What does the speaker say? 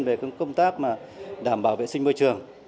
về công tác đảm bảo vệ sinh môi trường